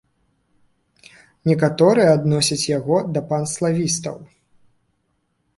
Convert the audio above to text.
Некаторыя адносяць яго да панславістаў.